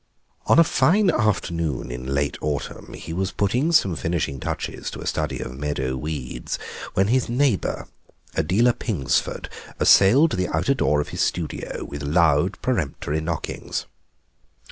On a fine afternoon in late autumn he was putting some finishing touches to a study of meadow weeds when his neighbour, Adela Pingsford, assailed the outer door of his studio with loud peremptory knockings.